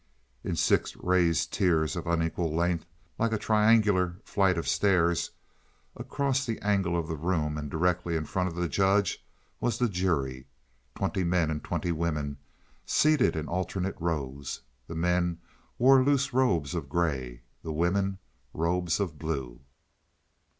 In six raised tiers of unequal length, like a triangular flight of stairs across the angle of the room, and directly in front of the judge, was the jury twenty men and twenty women, seated in alternate rows. The men wore loose robes of gray; the women robes of blue.